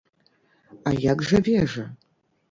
А як жа вежа?